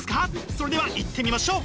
それではいってみましょう！